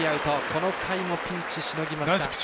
この回もピンチをしのぎました。